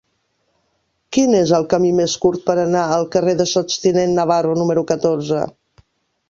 Quin és el camí més curt per anar al carrer del Sots tinent Navarro número catorze?